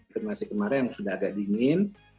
jadi nasi kemarin yang sudah agak dingin